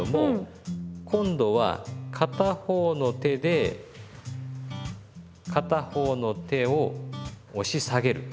今度は片方の手で片方の手を押し下げる。